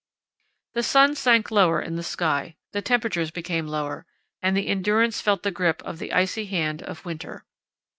The sun sank lower in the sky, the temperatures became lower, and the Endurance felt the grip of the icy hand of winter.